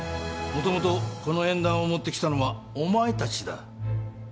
もともとこの縁談を持ってきたのはお前たちだ。